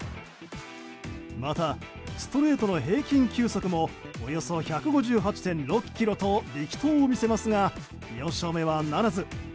また、ストレートの平均球速もおよそ１５８．６キロと力投を見せますが４勝目はならず。